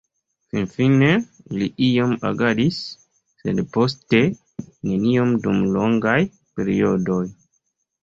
Finfine li iom agadis, sed poste neniom dum longaj periodoj.